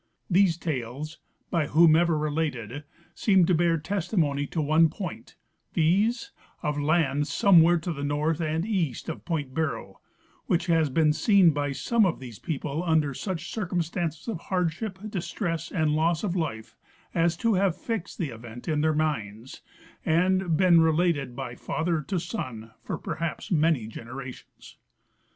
These tales, by whomsoever related, seem to bear testimony to one point, viz, of land somewhere to the north and east of point Barrow, which has been seen by some of these people under such circumstances of hardship, distress and loss of life as to have fixed the event in their minds and been related by flither to son for perhaps many generations.